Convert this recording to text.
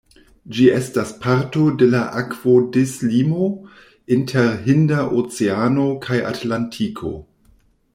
Ĝi estas parto de la akvodislimo inter Hinda Oceano kaj Atlantiko.